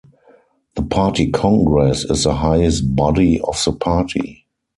The party congress is the highest body of the party.